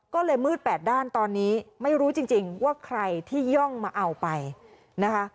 ก็เลยมืดแปดด้านตอนนี้ไม่รู้จริงว่าใครที่ย่องมาเอาไปนะคะ